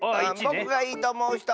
ぼくがいいとおもうひと！